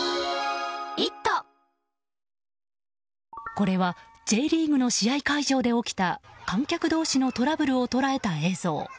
これはＪリーグの試合会場で起きた観客同士のトラブルを捉えた映像。